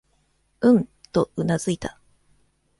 うん、とうなずいた。